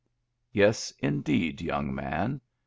*'" Yes, indeed, young man."